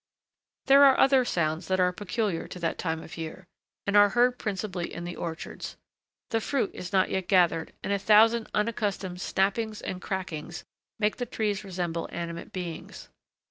There are other sounds that are peculiar to that time of year, and are heard principally in the orchards. The fruit is not yet gathered, and a thousand unaccustomed snappings and crackings make the trees resemble animate beings.